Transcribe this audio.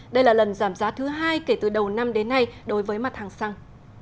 đây là lần giảm giá thứ hai kể từ đầu năm đến nay đối với mặt hàng xăng